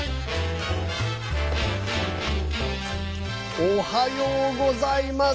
おはようございます。